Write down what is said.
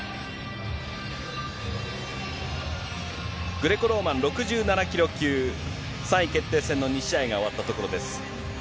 グレコローマン６７キロ級、３位決定戦の２試合が終わったところです。